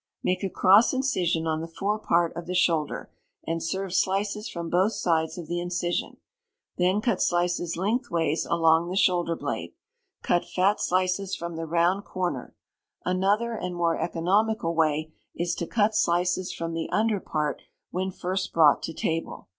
Make a cross incision on the fore part of the shoulder, and serve slices from both sides of the incision; then cut slices lengthways along the shoulder blade. Cut fat slices from the round corner. Another and more economical way, is to cut slices from the under part when first brought to table.